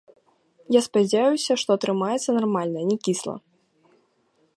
Я спадзяюся, што атрымаецца нармальна, не кісла.